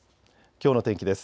きょうの天気です。